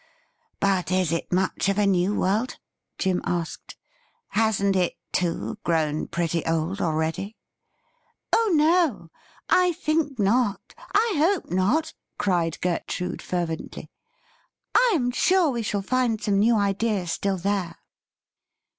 ' But is it much of a new world ?' Jim asked. ' Hasn't it, too, grown pretty old already .?'' Oh no, I think not — I hope not !' cried Gertrude fervently. ' I am sure we shall find some new ideas still there.'